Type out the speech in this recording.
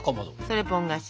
それポン菓子。